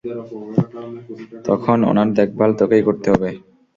তখন উনার দেখভাল তোকেই করতে হবে।